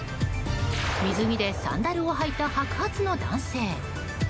水着でサンダルを履いた白髪の男性。